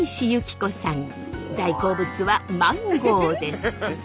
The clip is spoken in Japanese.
大好物はマンゴーです。